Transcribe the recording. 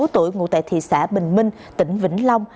ba mươi sáu tuổi ngụ tại thị xã bình minh tỉnh vĩnh long